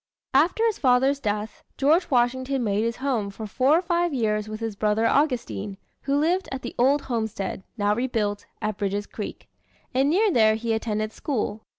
After his father's death, George Washington made his home for four or five years with his brother Augustine, who lived at the old homestead, now rebuilt, at Bridges Creek; and near there he attended school.